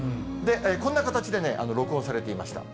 こんな形でね、録音されてました。